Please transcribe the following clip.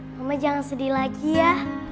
mama jangan sedih lagi ya